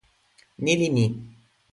ni li mi.